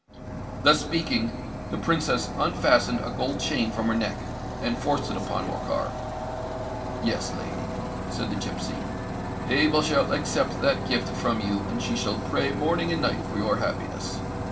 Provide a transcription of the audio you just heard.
Thus speaking, the Princess unfastened a gold chain from her neck, and forced it upon Morcar. "Yes, lady," said the gipsy, "Eva shall accept that gift from you; and she shall pray morning and night for your happiness.